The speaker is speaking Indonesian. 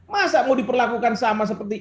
masa mau diperlakukan sama seperti